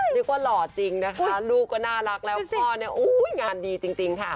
หล่อจริงนะคะลูกก็น่ารักแล้วพ่อเนี่ยอุ้ยงานดีจริงค่ะ